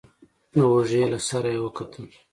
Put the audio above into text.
د اوږې له سره يې وکتل.